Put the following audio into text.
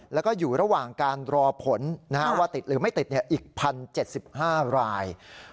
แล้วก็อยู่ระหว่างการรอผลว่าติดหรือไม่ติดอีก๑๐๗๕ราย